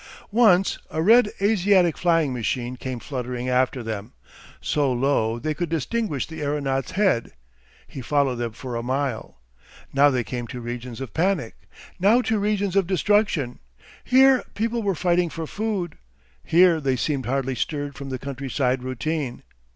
Once a red Asiatic flying machine came fluttering after them, so low they could distinguish the aeronaut's head. He followed them for a mile. Now they came to regions of panic, now to regions of destruction; here people were fighting for food, here they seemed hardly stirred from the countryside routine.